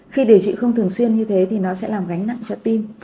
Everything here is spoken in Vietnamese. khi điều trị không thường xuyên như thế thì nó sẽ làm gánh nặng cho tim